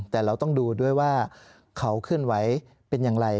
แต่เราต้องดูด้วยว่าเขาเคลื่อนไหวเป็นอย่างไร